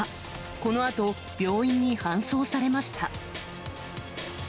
このあと、病院に搬送されました。